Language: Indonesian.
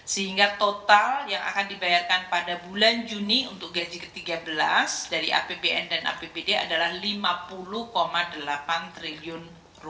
sehingga total yang akan dibayarkan pada bulan juni untuk gaji ke tiga belas dari apbn dan apbd adalah rp lima puluh delapan triliun